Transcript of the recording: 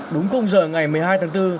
đúng công giờ ngày một mươi hai tháng bốn